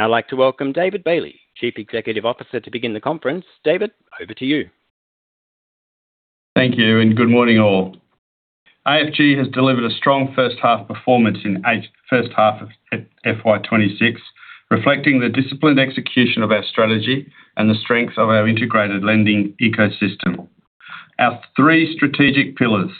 I'd like to welcome David Bailey, Chief Executive Officer, to begin the conference. David, over to you. Thank you, and good morning, all. AFG has delivered a strong first half performance in first half of FY 2026, reflecting the disciplined execution of our strategy and the strength of our integrated lending ecosystem. Our three strategic pillars: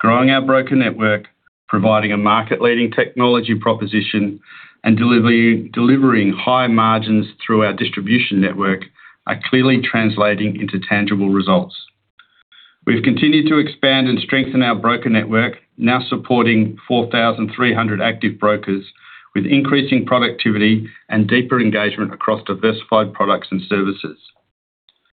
growing our broker network, providing a market-leading technology proposition, and delivering high margins through our distribution network, are clearly translating into tangible results. We've continued to expand and strengthen our broker network, now supporting 4,300 active brokers, with increasing productivity and deeper engagement across diversified products and services.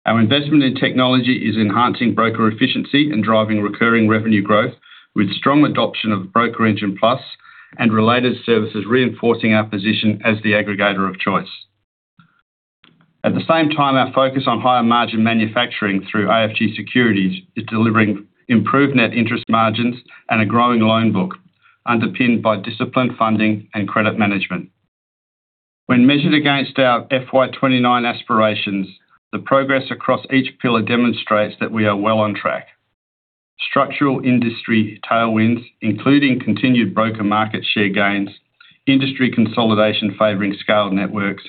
Our investment in technology is enhancing broker efficiency and driving recurring revenue growth, with strong adoption of BrokerEngine+ and related services reinforcing our position as the aggregator of choice. At the same time, our focus on higher margin manufacturing through AFG Securities is delivering improved net interest margins and a growing loan book, underpinned by disciplined funding and credit management. When measured against our FY 29 aspirations, the progress across each pillar demonstrates that we are well on track. Structural industry tailwinds, including continued broker market share gains, industry consolidation favoring scaled networks,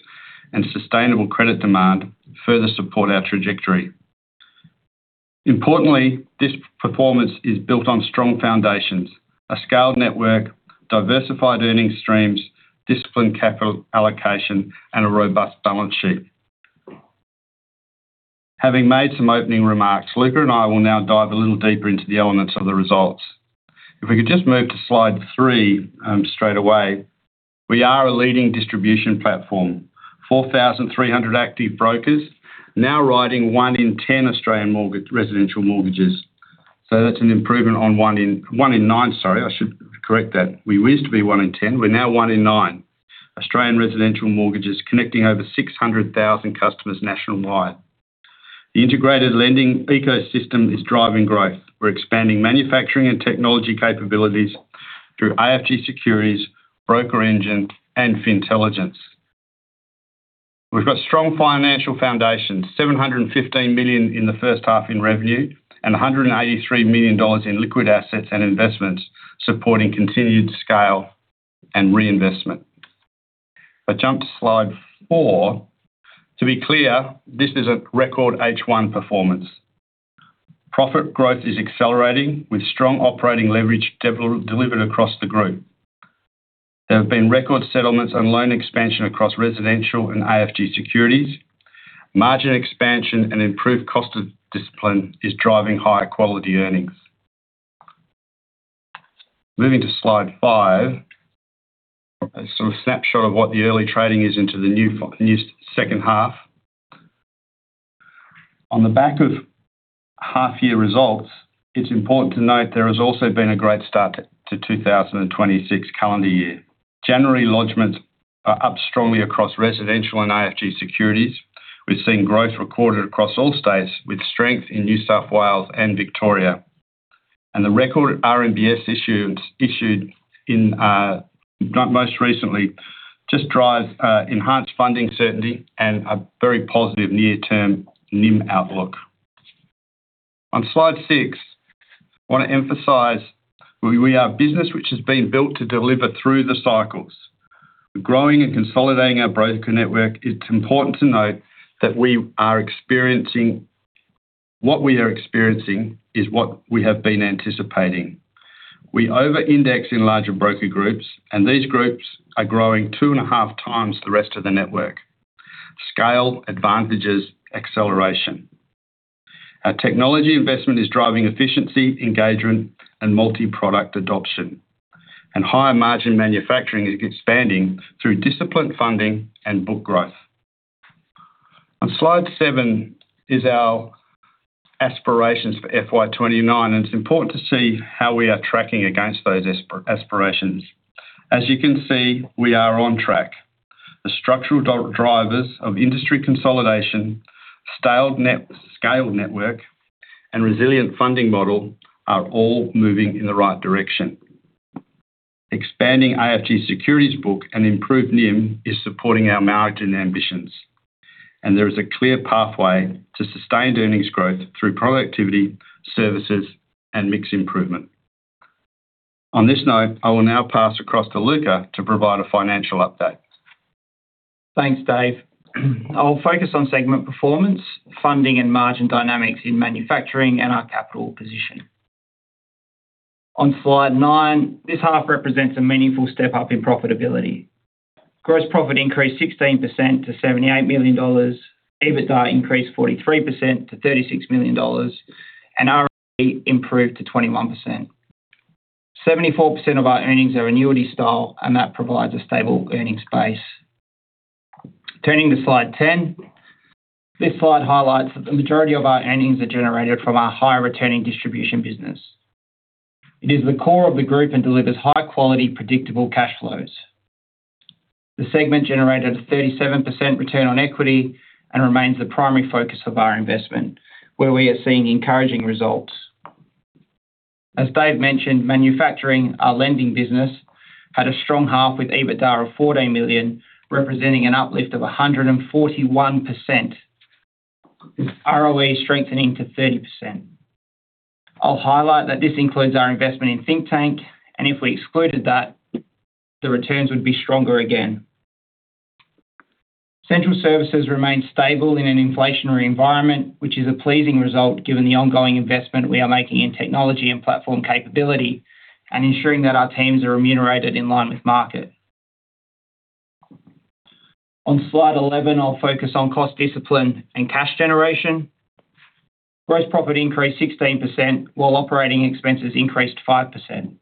and sustainable credit demand, further support our trajectory. Importantly, this performance is built on strong foundations, a scaled network, diversified earnings streams, disciplined capital allocation, and a robust balance sheet. Having made some opening remarks, Luca and I will now dive a little deeper into the elements of the results. If we could just move to slide three, straight away. We are a leading distribution platform. 4,300 active brokers, now writing 1 in 10 Australian mortgage, residential mortgages. So that's an improvement on one in nine, sorry, I should correct that. We used to be one in 10; we're now one in 9. Australian residential mortgages connecting over 600,000 customers nationwide. The integrated lending ecosystem is driving growth. We're expanding manufacturing and technology capabilities through AFG Securities, BrokerEngine, and Fintelligence. We've got strong financial foundations, 715 million in the first half in revenue, and 183 million dollars in liquid assets and investments supporting continued scale and reinvestment. But jump to slide four. To be clear, this is a record H1 performance. Profit growth is accelerating, with strong operating leverage delivered across the group. There have been record settlements and loan expansion across residential and AFG Securities. Margin expansion and improved cost of discipline is driving higher quality earnings. Moving to slide five, a sort of snapshot of what the early trading is into the new second half. On the back of half-year results, it's important to note there has also been a great start to 2026 calendar year. January lodgements are up strongly across residential and AFG Securities. We've seen growth recorded across all states, with strength in New South Wales and Victoria. The record RMBS issuance issued in most recently just drives enhanced funding certainty and a very positive near-term NIM outlook. On slide six, I want to emphasize we are a business which has been built to deliver through the cycles. Growing and consolidating our broker network, it's important to note that we are experiencing... What we are experiencing is what we have been anticipating. We over-index in larger broker groups, and these groups are growing 2.5 times the rest of the network. Scale advantages acceleration. Our technology investment is driving efficiency, engagement, and multi-product adoption, and higher margin manufacturing is expanding through disciplined funding and book growth. On slide seven is our aspirations for FY 2029, and it's important to see how we are tracking against those aspirations. As you can see, we are on track. The structural drivers of industry consolidation, scaled network, and resilient funding model are all moving in the right direction. Expanding AFG Securities book and improved NIM is supporting our margin ambitions, and there is a clear pathway to sustained earnings growth through productivity, services, and mix improvement. On this note, I will now pass across to Luca to provide a financial update. Thanks, Dave. I'll focus on segment performance, funding and margin dynamics in manufacturing, and our capital position. On slide nine, this half represents a meaningful step up in profitability. Gross profit increased 16% to 78 million dollars, EBITDA increased 43% to 36 million dollars, and ROE improved to 21%. 74% of our earnings are annuity style, and that provides a stable earnings base. Turning to slide 10. This slide highlights that the majority of our earnings are generated from our high-returning distribution business. It is the core of the group and delivers high-quality, predictable cash flows. The segment generated a 37% return on equity and remains the primary focus of our investment, where we are seeing encouraging results. As Dave mentioned, manufacturing, our lending business, had a strong half with EBITDA of 14 million, representing an uplift of 141%. ROE strengthening to 30%. I'll highlight that this includes our investment in Thinktank, and if we excluded that, the returns would be stronger again. Central services remained stable in an inflationary environment, which is a pleasing result, given the ongoing investment we are making in technology and platform capability, and ensuring that our teams are remunerated in line with market. On slide 11, I'll focus on cost discipline and cash generation. Gross profit increased 16%, while operating expenses increased 5%.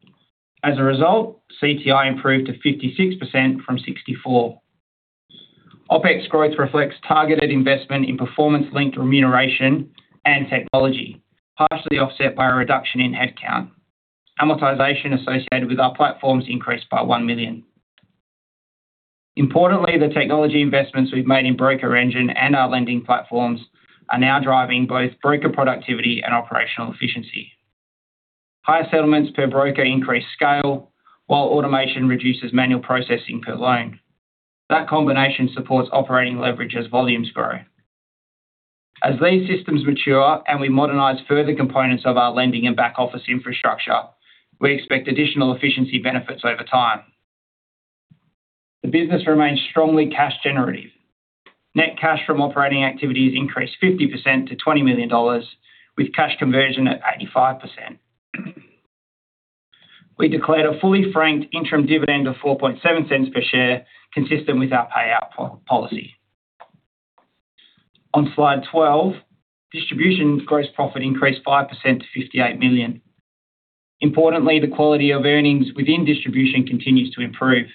As a result, CTI improved to 56% from 64%. OpEx growth reflects targeted investment in performance-linked remuneration and technology, partially offset by a reduction in headcount. Amortization associated with our platforms increased by 1 million. Importantly, the technology investments we've made in BrokerEngine and our lending platforms are now driving both broker productivity and operational efficiency. Higher settlements per broker increase scale, while automation reduces manual processing per loan. That combination supports operating leverage as volumes grow. As these systems mature and we modernize further components of our lending and back office infrastructure, we expect additional efficiency benefits over time. The business remains strongly cash generative. Net cash from operating activities increased 50% to 20 million dollars, with cash conversion at 85%. We declared a fully franked interim dividend of 0.047 per share, consistent with our payout policy. On slide 12, distribution gross profit increased 5% to 58 million. Importantly, the quality of earnings within distribution continues to improve.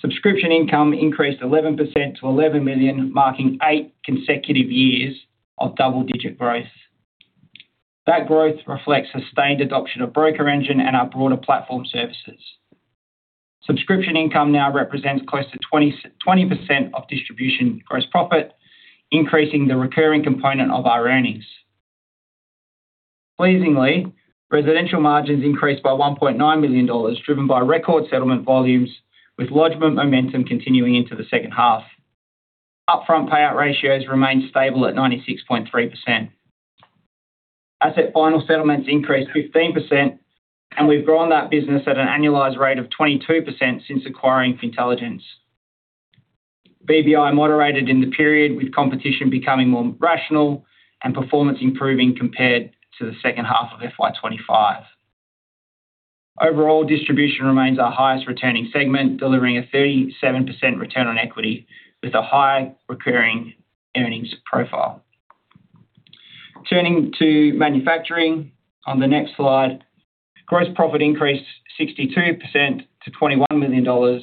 Subscription income increased 11% to 11 million, marking eight consecutive years of double-digit growth. That growth reflects sustained adoption of BrokerEngine and our broader platform services. Subscription income now represents close to 20% of distribution gross profit, increasing the recurring component of our earnings. Pleasingly, residential margins increased by 1.9 million dollars, driven by record settlement volumes, with lodgement momentum continuing into the second half. Upfront payout ratios remained stable at 96.3%. Asset Finance Settlements increased 15%, and we've grown that business at an annualized rate of 22% since acquiring Fintelligence. BBI moderated in the period, with competition becoming more rational and performance improving compared to the second half of FY 2025. Overall, distribution remains our highest returning segment, delivering a 37% return on equity, with a high recurring earnings profile. Turning to manufacturing on the next slide, gross profit increased 62% to 21 million dollars,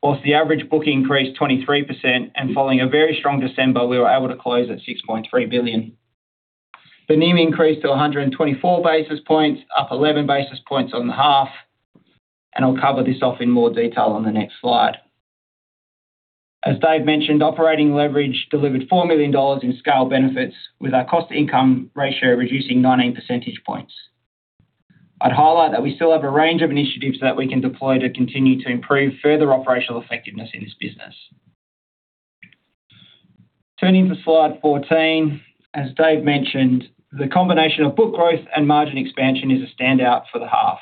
while the average booking increased 23%, and following a very strong December, we were able to close at 6.3 billion. The NIM increased to 124 basis points, up 11 basis points on the half, and I'll cover this off in more detail on the next slide. As Dave mentioned, operating leverage delivered 4 million dollars in scale benefits, with our cost-to-income ratio reducing 19 percentage points. I'd highlight that we still have a range of initiatives that we can deploy to continue to improve further operational effectiveness in this business. Turning to slide 14. As Dave mentioned, the combination of book growth and margin expansion is a standout for the half.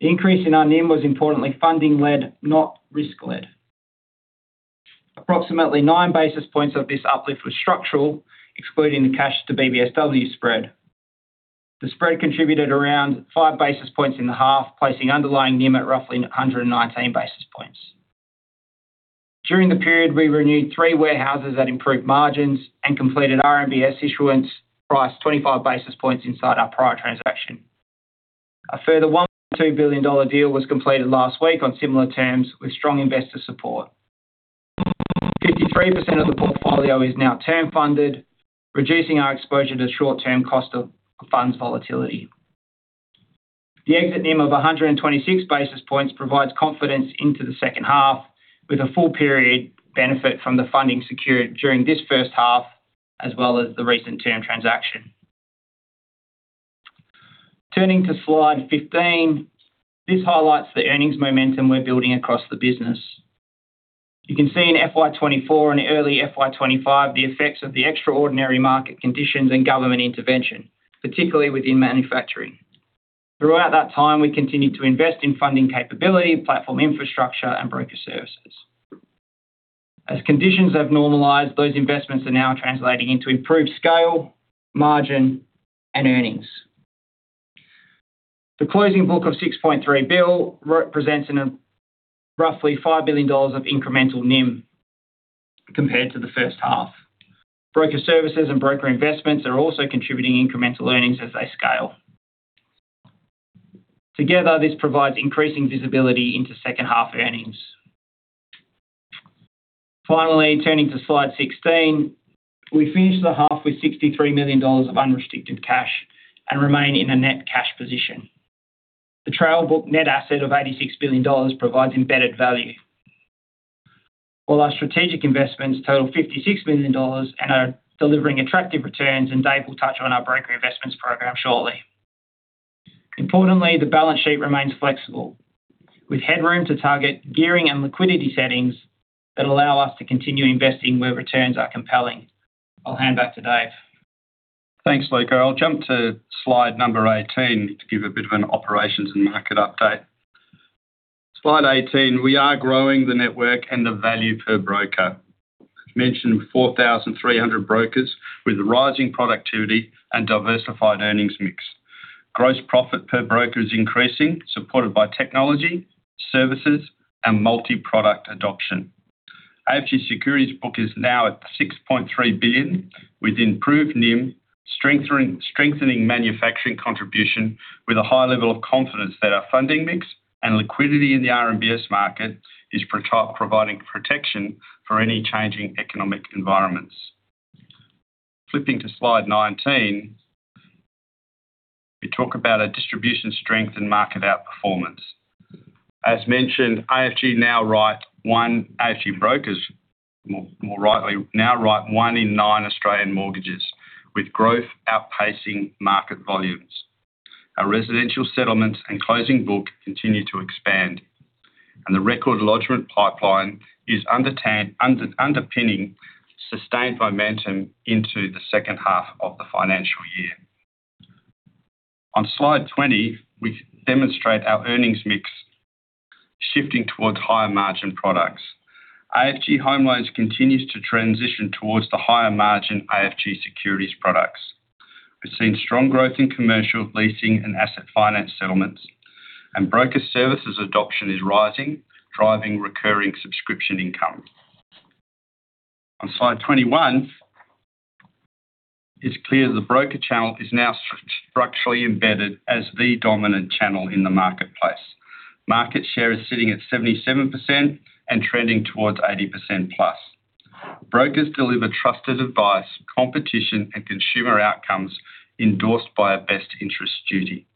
The increase in our NIM was importantly funding-led, not risk-led. Approximately 9 basis points of this uplift was structural, excluding the cash to BBSW spread. The spread contributed around 5 basis points in the half, placing underlying NIM at roughly 119 basis points. During the period, we renewed 3 warehouses at improved margins and completed RMBS issuance priced 25 basis points inside our prior transaction. A further 1 billion dollar to AUD 2 billion deal was completed last week on similar terms with strong investor support. 53% of the portfolio is now term-funded, reducing our exposure to short-term cost of funds volatility. The exit NIM of 126 basis points provides confidence into the second half, with a full period benefit from the funding secured during this first half, as well as the recent term transaction. Turning to slide 15, this highlights the earnings momentum we're building across the business. You can see in FY 2024 and early FY 2025 the effects of the extraordinary market conditions and government intervention, particularly within manufacturing. Throughout that time, we continued to invest in funding capability, platform infrastructure, and broker services. As conditions have normalized, those investments are now translating into improved scale, margin, and earnings. The closing book of 6.3 billion represents in a roughly 5 billion dollars of incremental NIM compared to the first half. Broker services and broker investments are also contributing incremental earnings as they scale. Together, this provides increasing visibility into second-half earnings. Finally, turning to slide 16. We finished the half with 63 million dollars of unrestricted cash and remain in a net cash position. The trail book net asset of 86 billion dollars provides embedded value. While our strategic investments total 56 million dollars and are delivering attractive returns, and Dave will touch on our broker investments program shortly. Importantly, the balance sheet remains flexible, with headroom to target gearing and liquidity settings that allow us to continue investing where returns are compelling. I'll hand back to Dave. Thanks, Luca. I'll jump to slide number 18 to give a bit of an operations and market update. Slide 18, we are growing the network and the value per broker. Mentioned 4,300 brokers with rising productivity and diversified earnings mix. Gross profit per broker is increasing, supported by technology, services, and multi-product adoption. AFG Securities Book is now at 6.3 billion, with improved NIM, strengthening manufacturing contribution with a high level of confidence that our funding mix and liquidity in the RMBS market is providing protection for any changing economic environments. Flipping to slide 19, we talk about our distribution strength and market outperformance. As mentioned, AFG brokers, more rightly, now write one in nine Australian mortgages, with growth outpacing market volumes. Our Residential Settlements and closing book continue to expand, and the record lodgement pipeline is underpinning sustained momentum into the second half of the financial year. On Slide 20, we demonstrate our earnings mix shifting towards higher-margin products. AFG Home Loans continues to transition towards the higher-margin AFG Securities products. We've seen strong growth in commercial leasing and Asset Finance Settlements, and broker services adoption is rising, driving recurring subscription income. On Slide 21, it's clear the broker channel is now structurally embedded as the dominant channel in the marketplace. Market share is sitting at 77% and trending towards 80% plus. Brokers deliver trusted advice, competition, and consumer outcomes endorsed by a best interest duty.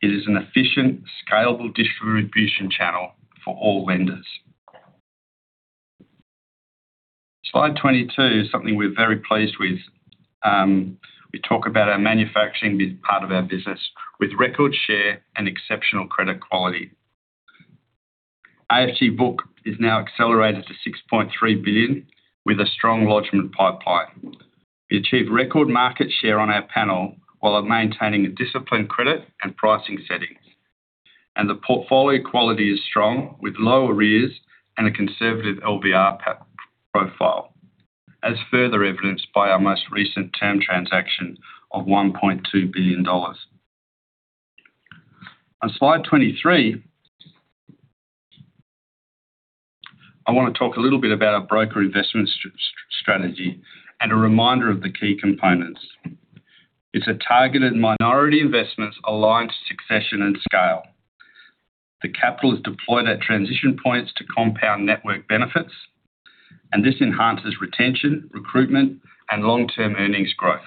It is an efficient, scalable distribution channel for all lenders. Slide 22 is something we're very pleased with. We talk about our manufacturing part of our business with record share and exceptional credit quality. AFG book is now accelerated to 6.3 billion with a strong lodgement pipeline. We achieved record market share on our panel while maintaining a disciplined credit and pricing settings. The portfolio quality is strong, with low arrears and a conservative LVR profile, as further evidenced by our most recent term transaction of 1.2 billion dollars. On slide 23, I want to talk a little bit about our broker investment strategy and a reminder of the key components. It's a targeted minority investments aligned to succession and scale. The capital is deployed at transition points to compound network benefits, and this enhances retention, recruitment, and long-term earnings growth.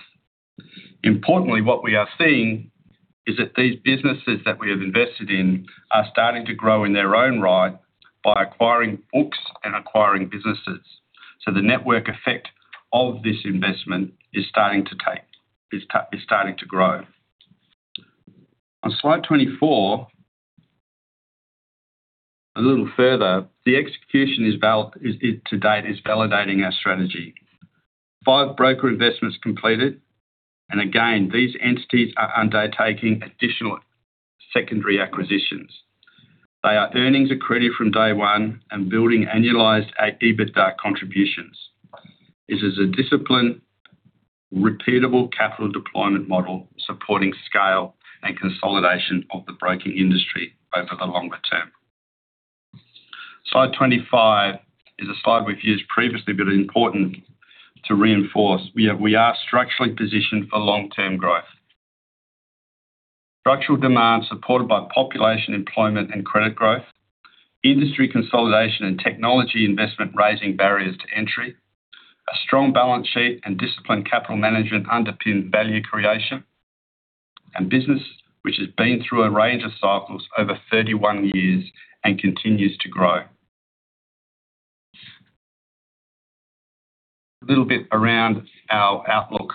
Importantly, what we are seeing is that these businesses that we have invested in are starting to grow in their own right by acquiring books and acquiring businesses. So the network effect of this investment is starting to take, is starting to grow. On slide 24, a little further, the execution to date is validating our strategy. 5 broker investments completed, and again, these entities are undertaking additional secondary acquisitions. They are earnings accredited from day one and building annualized EBITDA contributions. This is a disciplined, repeatable capital deployment model supporting scale and consolidation of the broking industry over the longer term. Slide 25 is a slide we've used previously, but it's important to reinforce. We are structurally positioned for long-term growth. Structural demand supported by population, employment, and credit growth, industry consolidation and technology investment, raising barriers to entry, a strong balance sheet and disciplined capital management underpin value creation, and business, which has been through a range of cycles over 31 years and continues to grow. A little bit around our outlook,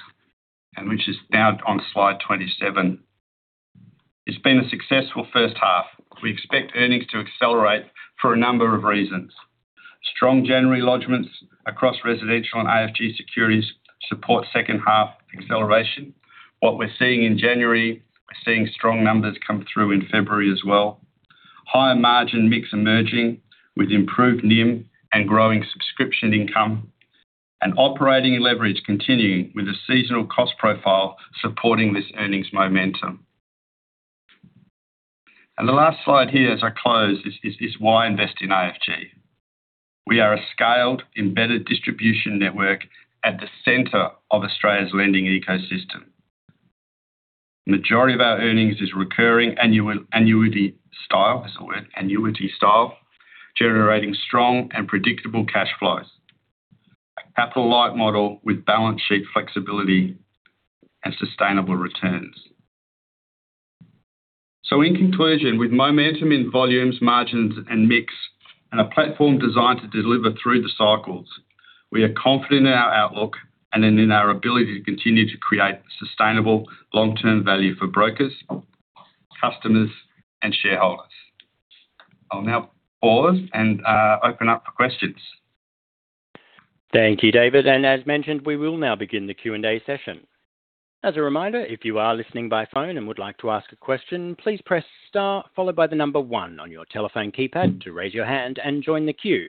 and which is now on slide 27. It's been a successful first half. We expect earnings to accelerate for a number of reasons. Strong January lodgments across residential and AFG Securities support second half acceleration. What we're seeing in January, we're seeing strong numbers come through in February as well. Higher margin mix emerging with improved NIM and growing subscription income and operating leverage continuing with a seasonal cost profile supporting this earnings momentum. The last slide here, as I close, is why invest in AFG? We are a scaled, embedded distribution network at the center of Australia's lending ecosystem. Majority of our earnings is recurring annual annuity style, annuity style, generating strong and predictable cash flows. A capital-light model with balance sheet flexibility and sustainable returns... So in conclusion, with momentum in volumes, margins, and mix, and a platform designed to deliver through the cycles, we are confident in our outlook and in our ability to continue to create sustainable long-term value for brokers, customers, and shareholders. I'll now pause and open up for questions. Thank you, David, and as mentioned, we will now begin the Q&A session. As a reminder, if you are listening by phone and would like to ask a question, please press star followed by the number 1 on your telephone keypad to raise your hand and join the queue.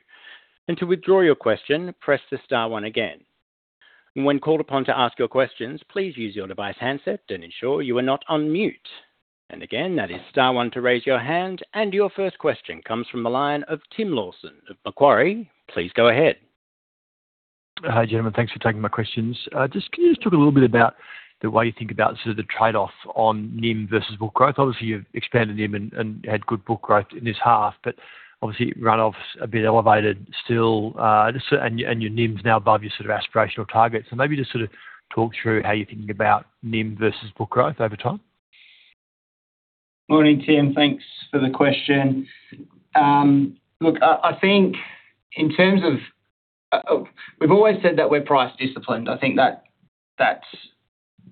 And to withdraw your question, press the star 1 again. When called upon to ask your questions, please use your device handset and ensure you are not on mute. And again, that is star 1 to raise your hand, and your first question comes from the line of Tim Lawson of Macquarie. Please go ahead. Hi, gentlemen. Thanks for taking my questions. Just, can you just talk a little bit about the way you think about sort of the trade-off on NIM versus book growth? Obviously, you've expanded NIM and had good book growth in this half, but obviously, runoff's a bit elevated still. Just, and your NIM's now above your sort of aspirational target. So maybe just sort of talk through how you're thinking about NIM versus book growth over time. Morning, Tim. Thanks for the question. Look, I think in terms of, we've always said that we're price disciplined. I think that, that's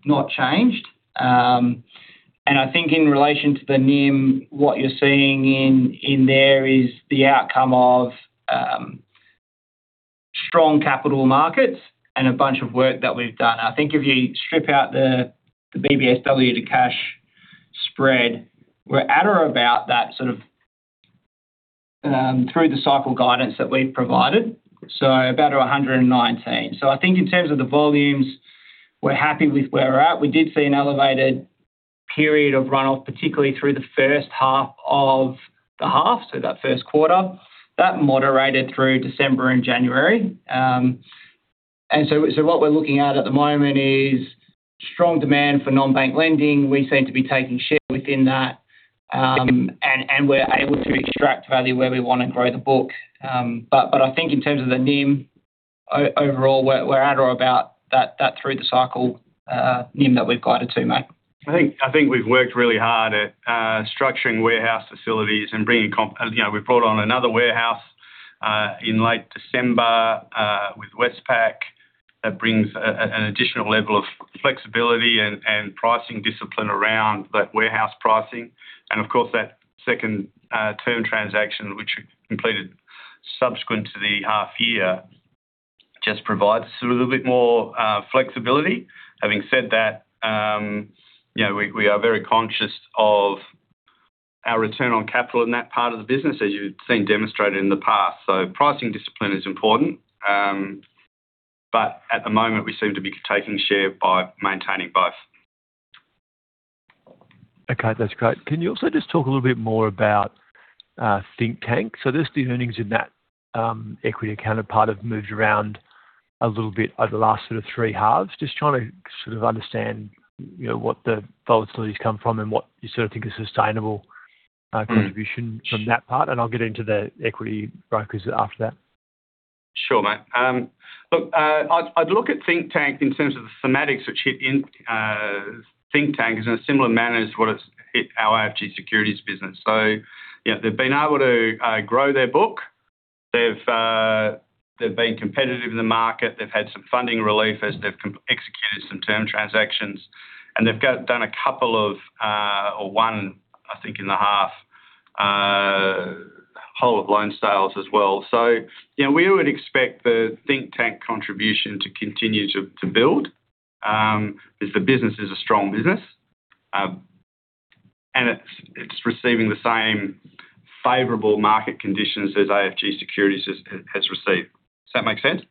not changed. And I think in relation to the NIM, what you're seeing in there is the outcome of strong capital markets and a bunch of work that we've done. I think if you strip out the BBSW to cash spread, we're at or about that sort of through the cycle guidance that we've provided, so about 119. So I think in terms of the volumes, we're happy with where we're at. We did see an elevated period of runoff, particularly through the first half of the half, so that Q1. That moderated through December and January. And so what we're looking at at the moment is strong demand for non-bank lending. We seem to be taking share within that, and we're able to extract value where we want to grow the book. But I think in terms of the NIM, overall, we're at or about that through the cycle NIM that we've guided to, mate. I think, I think we've worked really hard at structuring warehouse facilities and bringing. You know, we brought on another warehouse in late December with Westpac. That brings an additional level of flexibility and pricing discipline around that warehouse pricing. And of course, that second term transaction, which we completed subsequent to the half year, just provides us with a little bit more flexibility. Having said that, you know, we are very conscious of our return on capital in that part of the business, as you've seen demonstrated in the past. So pricing discipline is important, but at the moment we seem to be taking share by maintaining both. Okay, that's great. Can you also just talk a little bit more about Thinktank? So just the earnings in that equity counterpart have moved around a little bit over the last sort of three halves. Just trying to sort of understand, you know, what the volatility's come from and what you sort of think is sustainable contribution from that part, and I'll get into the equity brokers after that. Sure, mate. Look, I'd look at Thinktank in terms of the thematics, which hit in Thinktank is in a similar manner as to what it's hit our AFG Securities business. So, you know, they've been able to grow their book, they've been competitive in the market, they've had some funding relief as they've executed some term transactions, and they've done a couple of, or one, I think, in the half, whole of loan sales as well. So, you know, we would expect the Thinktank contribution to continue to build, because the business is a strong business, and it's receiving the same favorable market conditions as AFG Securities has received. Does that make sense?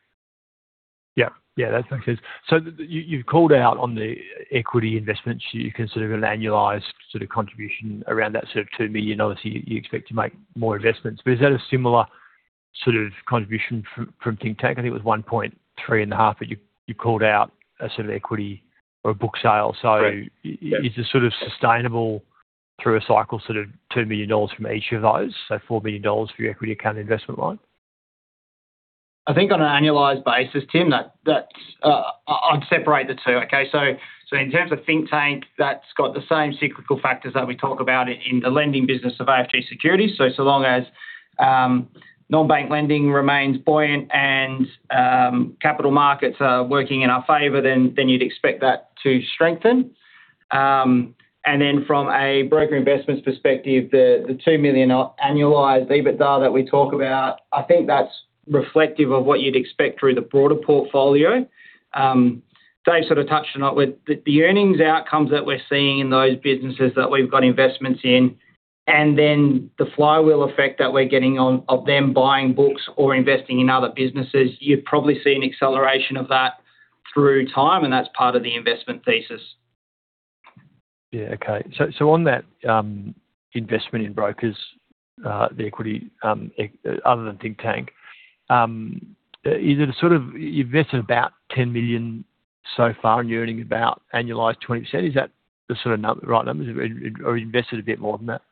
Yeah. Yeah, that makes sense. So you, you've called out on the equity investments, you can sort of annualize sort of contribution around that sort of 2 million. You, you expect to make more investments, but is that a similar sort of contribution from, from Thinktank? I think it was 1.3 and 0.5 that you, you called out as sort of equity or a book sale. Right. So is this sort of sustainable through a cycle, sort of 2 million dollars from each of those, so 4 million dollars for your equity account investment line? I think on an annualized basis, Tim, that that's... I'd separate the two, okay? So, so in terms of Thinktank, that's got the same cyclical factors that we talk about in the lending business of AFG Securities. So, so long as non-bank lending remains buoyant and capital markets are working in our favor, then, then you'd expect that to strengthen. And then from a broker investments perspective, the 2 million annualized EBITDA that we talk about, I think that's reflective of what you'd expect through the broader portfolio. Dave sort of touched on it with the earnings outcomes that we're seeing in those businesses that we've got investments in, and then the flywheel effect that we're getting on of them buying books or investing in other businesses. You'd probably see an acceleration of that through time, and that's part of the investment thesis. Yeah. Okay. So on that, investment in brokers, the equity, other than Thinktank, is it a sort of, you've invested about 10 million so far, and you're earning about annualized 20%. Is that the sort of right numbers, or invested a bit more than that?...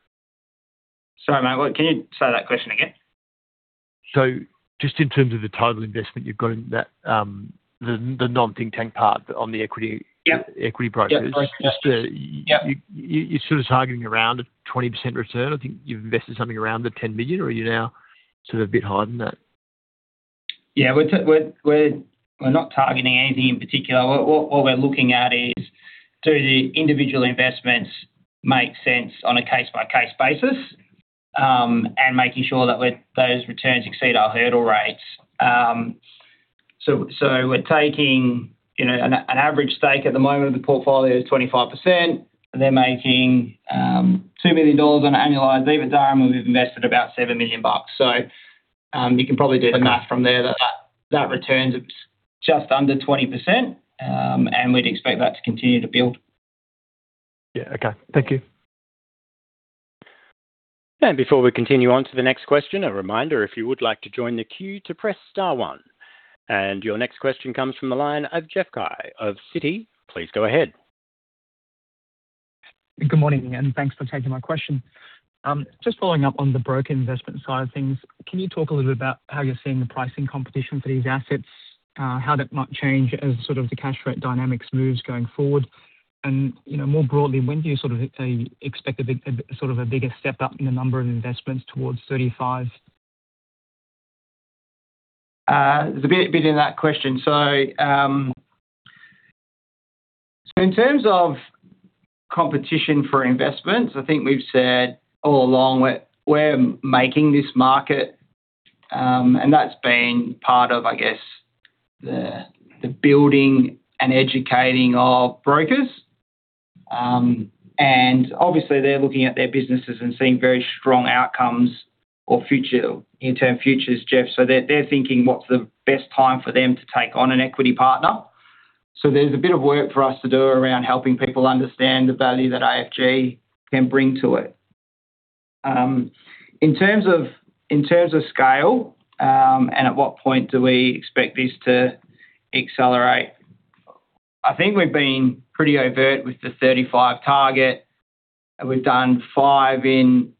Sorry, mate, what, can you say that question again? So just in terms of the total investment, you've got in that, the non-Thinktank part on the equity- Yep. Equity brokers. Yep. Just, uh- Yep. You're sort of targeting around a 20% return. I think you've invested something around 10 million, or are you now sort of a bit higher than that? Yeah, we're not targeting anything in particular. What we're looking at is, do the individual investments make sense on a case-by-case basis, and making sure that when those returns exceed our hurdle rates. So we're taking, you know, an average stake at the moment of the portfolio is 25%. They're making two million dollars on an annualized EBITDA, and we've invested about seven million bucks. So you can probably do the math from there, that returns it just under 20%, and we'd expect that to continue to build. Yeah. Okay. Thank you. Before we continue on to the next question, a reminder, if you would like to join the queue, to press star one. Your next question comes from the line of Jeff Guy of Citi. Please go ahead. Good morning, and thanks for taking my question. Just following up on the broker investment side of things, can you talk a little bit about how you're seeing the pricing competition for these assets? How that might change as sort of the cash rate dynamics moves going forward, and, you know, more broadly, when do you sort of say expect a big, sort of a bigger step up in the number of investments towards 35? There's a bit in that question. So in terms of competition for investments, I think we've said all along, we're making this market, and that's been part of, I guess, the building and educating of brokers. And obviously, they're looking at their businesses and seeing very strong outcomes or future, interim futures, Jeff. So they're thinking, what's the best time for them to take on an equity partner? So there's a bit of work for us to do around helping people understand the value that AFG can bring to it. In terms of scale, and at what point do we expect this to accelerate? I think we've been pretty overt with the 35 target, and we've done five in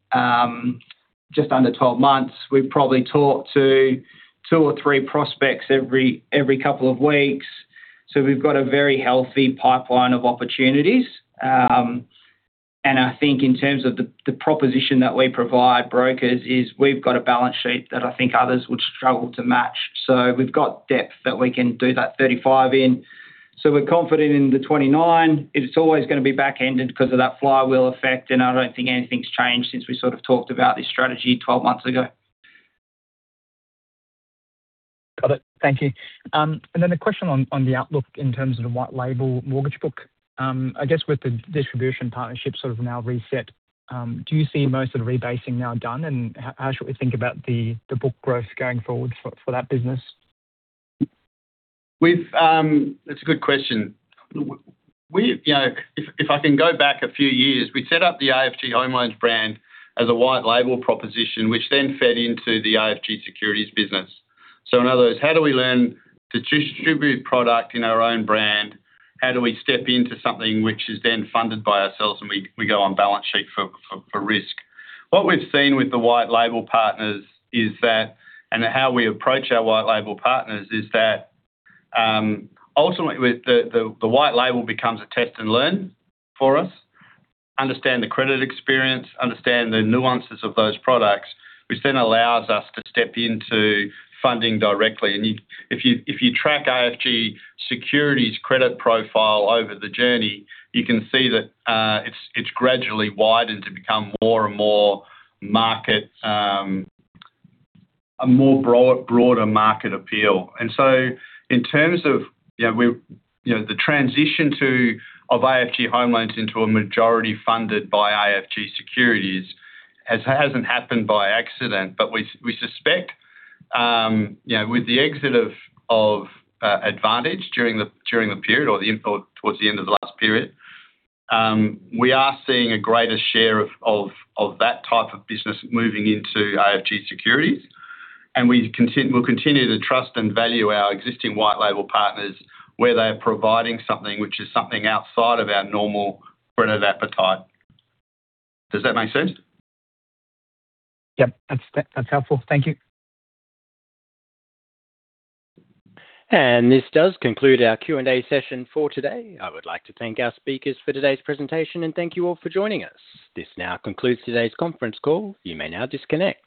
just under 12 months. We've probably talked to 2 or 3 prospects every couple of weeks, so we've got a very healthy pipeline of opportunities. And I think in terms of the proposition that we provide brokers is we've got a balance sheet that I think others would struggle to match. So we've got depth that we can do that 35 in. So we're confident in the 29. It's always gonna be back-ended because of that flywheel effect, and I don't think anything's changed since we sort of talked about this strategy 12 months ago. Got it. Thank you. And then a question on the outlook in terms of the white label mortgage book. I guess with the distribution partnership sort of now reset, do you see most of the rebasing now done, and how should we think about the book growth going forward for that business? We've... That's a good question. We, you know, if I can go back a few years, we set up the AFG Home Loans brand as a white label proposition, which then fed into the AFG Securities business. So in other words, how do we learn to distribute product in our own brand? How do we step into something which is then funded by ourselves, and we go on balance sheet for risk? What we've seen with the white label partners is that, and how we approach our white label partners, is that, ultimately, with the white label becomes a test and learn for us. Understand the credit experience, understand the nuances of those products, which then allows us to step into funding directly. If you, if you track AFG Securities credit profile over the journey, you can see that, it's, it's gradually widened to become more and more market, a more broad, broader market appeal. And so in terms of, you know, we, you know, the transition to, of AFG Home Loans into a majority funded by AFG Securities, has, hasn't happened by accident, but we, we suspect, you know, with the exit of, of, AdvantEdge during the, during the period or towards the end of the last period, we are seeing a greater share of, of, of that type of business moving into AFG Securities, and we'll continue to trust and value our existing white label partners, where they're providing something which is something outside of our normal credit appetite. Does that make sense? Yep, that's, that's helpful. Thank you. This does conclude our Q&A session for today. I would like to thank our speakers for today's presentation, and thank you all for joining us. This now concludes today's conference call. You may now disconnect.